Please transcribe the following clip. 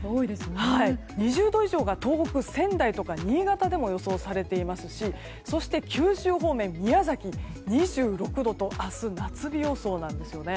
２０度以上が東北、仙台とか新潟でも予想されていますしそして、九州方面、宮崎２６度と明日、夏日予想なんですね。